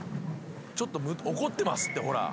ちょっと怒ってますってほらっ！